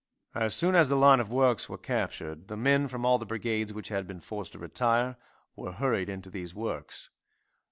As soon as the line of works were captured the men from all the brigades which had been forced to retire were hurried into these works.